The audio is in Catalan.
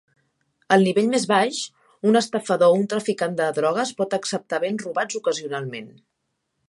Al nivell més baix, un estafador o un traficant de drogues pot acceptar bens robats ocasionalment.